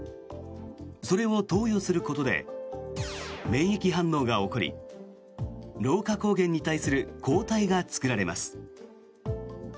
それを投与することで免疫反応が起こり老化抗原に対する抗体が作られます。